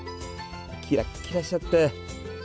キラキラしちゃって。